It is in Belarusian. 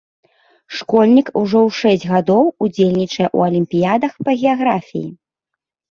Школьнік ужо шэсць гадоў удзельнічае ў алімпіядах па геаграфіі.